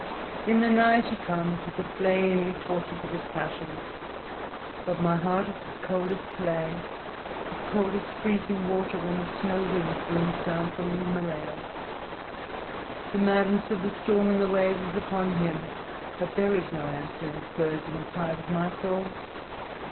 In the night he comes, with the flaming torches of his passion; but my heart is as cold as clay, as cold as freezing water when the snow wind booms down from the Himalayas. The madness of the storm and the waves is upon him, but there is no answering surge in the tide of my soul.